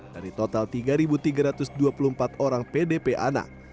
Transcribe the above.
dari total tiga tiga ratus dua puluh empat orang pdp anak